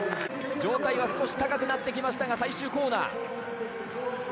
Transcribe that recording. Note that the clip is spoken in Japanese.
上体は少し高くなってきましたが最終コーナー。